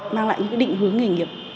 mang lại những định hướng nghề nghiệp